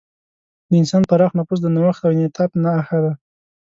د انسان پراخ نفوذ د نوښت او انعطاف نښه ده.